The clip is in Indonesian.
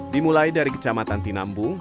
dimulai dari kecamatan tinambung